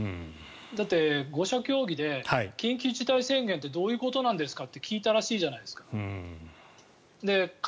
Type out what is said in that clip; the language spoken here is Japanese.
だって、５者協議で緊急事態宣言ってどういうことなんですか？って聞いたらしいじゃないですか。